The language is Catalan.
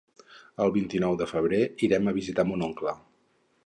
El vint-i-nou de febrer irem a visitar mon oncle.